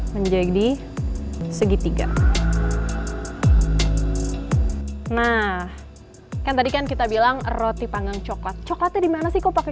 menjadi segitiga nah kan tadi kan kita bilang roti panggang coklat coklatnya dimana sih kok pakai